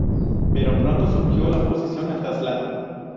Pero pronto surgió la oposición al traslado.